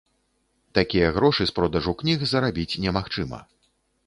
Такія грошы з продажу кніг зарабіць немагчыма.